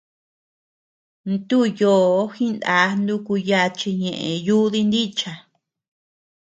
Ntú yòò jiná nuku yachi ñeʼe yúdi nícha.